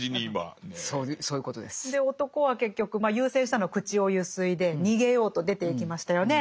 で男は結局優先したのは口をゆすいで逃げようと出ていきましたよね。